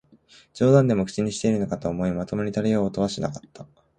冗談でも口にしているのかと思い、まともに取り合おうとはしなかった